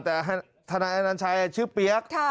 แต่ทนายอนัญชัยชื่อเปี๊ยก